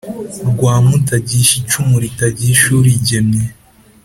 Rwa mutagisha icumu litagisha uligemye,